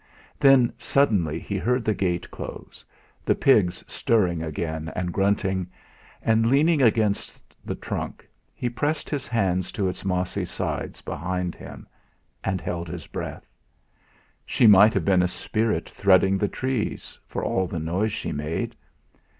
Then suddenly he heard the gate close, the pigs stirring again and grunting; and leaning against the trunk, he pressed his hands to its mossy sides behind him, and held his breath. She might have been a spirit threading the trees, for all the noise she made!